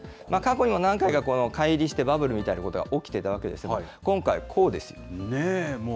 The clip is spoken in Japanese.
過去にも何回かかい離して、バブルみたいなことが起きていたわけねぇ、もう。